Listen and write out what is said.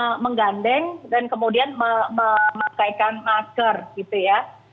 misalnya menggandeng dan kemudian memakaikan masker gitu ya